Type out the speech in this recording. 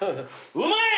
うまい！